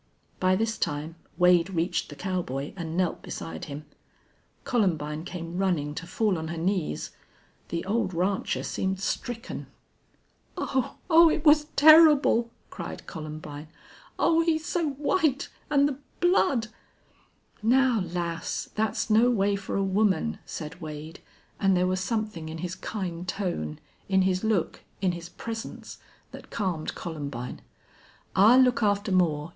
By this time Wade reached the cowboy and knelt beside him. Columbine came running to fall on her knees. The old rancher seemed stricken. "Oh Oh! it was terrible " cried Columbine. "Oh he's so white and the blood " "Now, lass, that's no way for a woman," said Wade, and there was something in his kind tone, in his look, in his presence, that calmed Columbine. "I'll look after Moore.